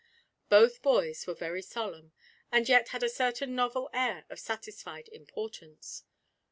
Both boys were very solemn, and yet had a certain novel air of satisfied importance.